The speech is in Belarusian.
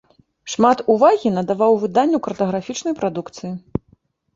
Шмат увагі надаваў выданню картаграфічнай прадукцыі.